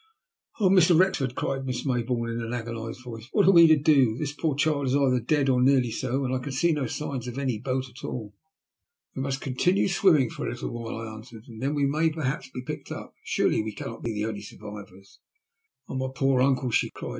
" Oh, Mr. Wrexford," cried Miss Mayboume, in an agonised voice. "What are we to do? This poor child is either dead, or nearly so, and I can see no signs of any boat at all." " We must continue swimming for a little while," I answered, "and then we may perhaps be picked up. Surely we cannot be the only survivors ?"" My poor, poor uncle !" she cried.